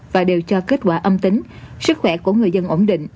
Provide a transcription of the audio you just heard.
và đều cho kết quả âm tính sức khỏe của người dân ổn định